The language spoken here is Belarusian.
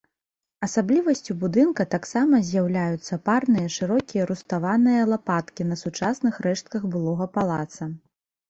Асаблівасцю будынка таксама з'яўляюцца парныя шырокія руставаныя лапаткі на сучасных рэштках былога палаца.